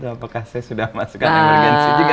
apakah saya sudah masukkan emergensi juga